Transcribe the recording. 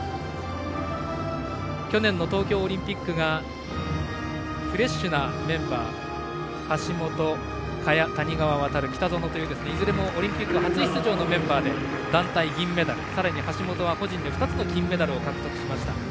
去年の東京オリンピックがフレッシュなメンバー橋本、萱、谷川航、北園といういずれもオリンピック初出場のメンバーで団体銀メダルさらに橋本は個人で２つのメダル獲得しました。